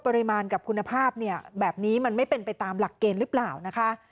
ปริมาณกับคุณภาพเนี่ยแบบนี้มันไม่เป็นไปตามหลักเกณฑ์หรือเปล่านะคะ